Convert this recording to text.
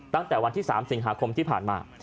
ตั้งแต่วันที่๓สิงหาคมที่ผ่านมา